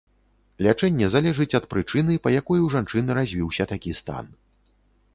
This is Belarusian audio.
Лячэнне залежыць ад прычыны, па якой у жанчыны развіўся такі стан.